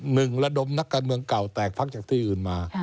หนึ่งระดมนักการเมืองเก่าแตกภักษ์จากที่อื่น